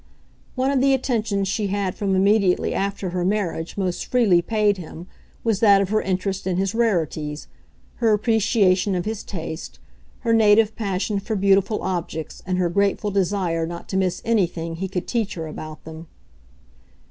One of the attentions she had from immediately after her marriage most freely paid him was that of her interest in his rarities, her appreciation of his taste, her native passion for beautiful objects and her grateful desire not to miss anything he could teach her about them.